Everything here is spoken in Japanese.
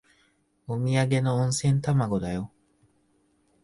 おみやげの温泉卵だよ。